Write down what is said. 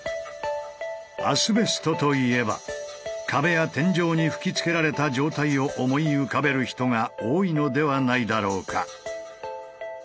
アスベストといえば壁や天井に吹きつけられた状態を思い浮かべる人が多いのではないだろうか。